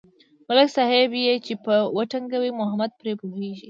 ملک صاحب یې چې و ټنگوي محمود پرې پوهېږي.